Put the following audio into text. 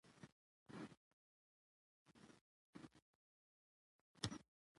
افغانستان د سمندر نه شتون په برخه کې نړیوال شهرت لري.